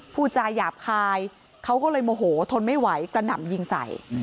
พูดจาหยาบคายเขาก็เลยโมโหทนไม่ไหวกระหน่ำยิงใส่